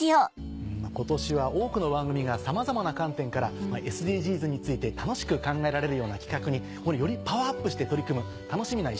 今年は多くの番組がさまざまな観点からＳＤＧｓについて楽しく考えられるような企画によりパワーアップして取り組む楽しみな